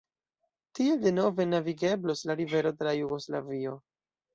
Tiel denove navigeblos la rivero tra Jugoslavio.